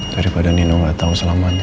daripada nino gak tahu selamanya